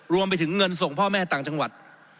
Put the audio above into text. รวมไปถึงเงินส่งพ่อแม่ต่างจังหวัด